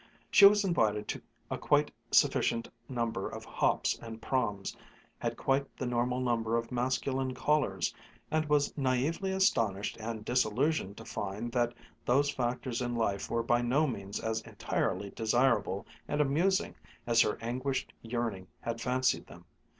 She was invited to a quite sufficient number of hops and proms, had quite the normal number of masculine "callers," and was naïvely astonished and disillusioned to find that those factors in life were by no means as entirely desirable and amusing as her anguished yearning had fancied them.